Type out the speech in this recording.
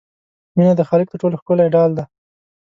مینه د خالق تر ټولو ښکلی ډال دی.